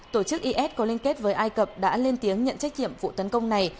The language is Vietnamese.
tổ chức is có liên kết với ai cập đã lên tiếng nhận trách nhiệm vụ tấn công này